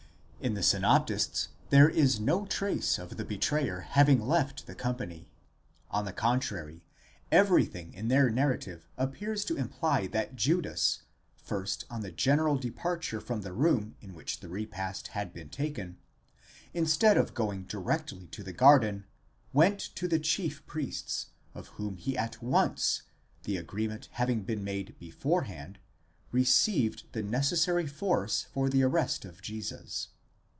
In the synoptists there is no trace of the betrayer having left the company ; on the contrary, everything in their narrative appears to imply that Judas, first on the general departure from the room in which the repast had been taken, instead of going directly to the garden, went to the chief priests, of whom he at once, the agreement having been made beforehand, received the necessary force for the arrest of Jesus.